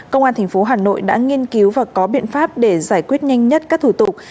công an tp hcm đã nghiên cứu và có biện pháp để giải quyết nhanh nhất các thủ tục